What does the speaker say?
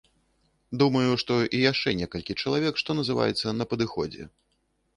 Думаю, што і яшчэ некалькі чалавек, што называецца, на падыходзе.